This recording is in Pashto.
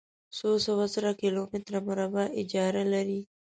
څو سوه زره کلومتره مربع اېجره لري.